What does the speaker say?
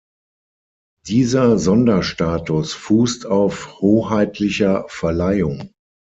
Dieser Sonderstatus fußt auf hoheitlicher Verleihung.